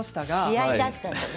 試合だったのね。